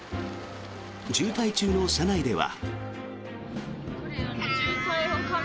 渋滞中の車内では。